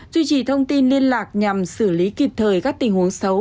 duy trì thông tin liên lạc nhằm xử lý kịp thời các tình huống xấu